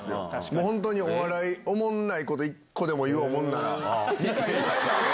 もう本当にお笑い、おもんないこと一個でも言おうもんなら。